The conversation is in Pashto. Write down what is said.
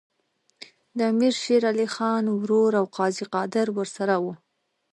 د امیر شېر علي خان ورور او قاضي قادر ورسره وو.